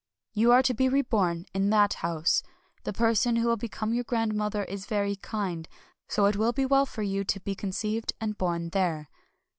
You are to be reborn in that house. The person who will become your grandmother is very kind; so it will be well for you to be con^ ceived and born there.'